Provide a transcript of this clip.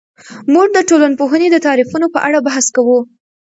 موږ د ټولنپوهنې د تعریفونو په اړه بحث کوو.